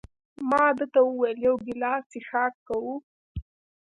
ما ده ته وویل: یو ګیلاس څښاک کوو؟